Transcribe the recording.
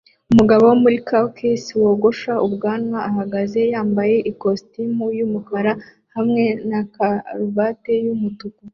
Umugabo wo muri Caucase wogosha ubwanwa ahagaze yambaye ikositimu yumukara hamwe na karuvati yumutuku